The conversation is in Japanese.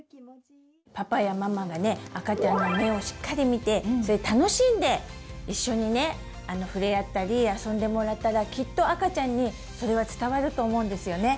パパやママがね赤ちゃんの目をしっかり見て楽しんで一緒にねふれあったり遊んでもらったらきっと赤ちゃんにそれは伝わると思うんですよね！